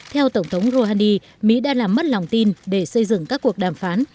theo tổng thống rouhani mỹ đã làm mất lòng tin để xây dựng các cuộc đàm phán